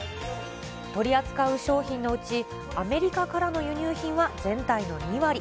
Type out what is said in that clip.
取り扱う商品のうち、アメリカからの輸入品は全体の２割。